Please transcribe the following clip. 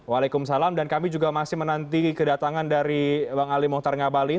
waalaikumsalam dan kami juga masih menanti kedatangan dari bang ali mohtar ngabali